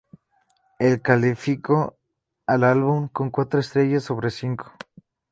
Él calificó al álbum con cuatro estrellas sobre cinco.